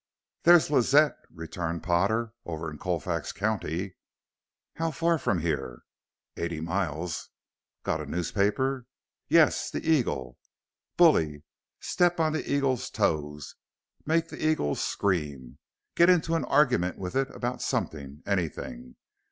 "There's Lazette," returned Potter; "over in Colfax County." "How far from here?" "Eighty miles." "Got a newspaper?" "Yes; the Eagle." "Bully! Step on the Eagle's toes. Make the Eagle scream. Get into an argument with it about something anything.